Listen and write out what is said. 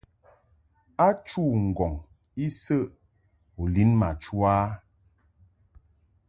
A chû ŋgɔŋ isəʼ u lin ma chu a ?